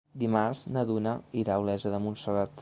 Dimarts na Duna irà a Olesa de Montserrat.